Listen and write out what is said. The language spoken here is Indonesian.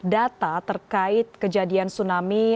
data terkait kejadian tsunami